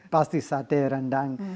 pasti sate rendang